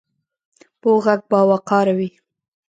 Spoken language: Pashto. پوخ غږ باوقاره وي